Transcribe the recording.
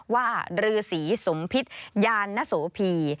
ว่ารือศรีสมพิษยานนโสภี